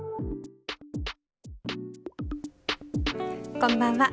こんばんは。